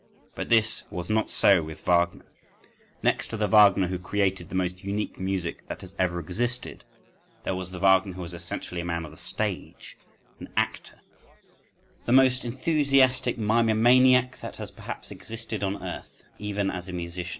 But this was not so with Wagner, next to the Wagner who created the most unique music that has ever existed there was the Wagner who was essentially a man of the stage, an actor, the most enthusiastic mimomaniac that has perhaps existed on earth, even as a musician.